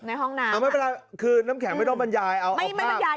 ห้องน้ำอ่าไม่เป็นไรคือน้ำแข็งไม่ต้องบรรยายเอาไม่ไม่บรรยาย